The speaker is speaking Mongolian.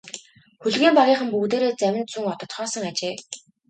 Хөлгийн багийнхан бүгдээрээ завинд суун одоцгоосон ажээ.